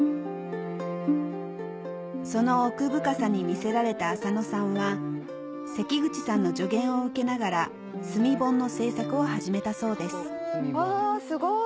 その奥深さに魅せられた浅野さんは関口さんの助言を受けながら炭盆の制作を始めたそうですうわすごい！